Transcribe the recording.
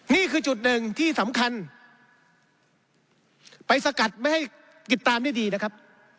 นี่คือจุดหนึ่งที่สำคัญไปสกัดไม่ให้ติดตามได้ดีนะครับ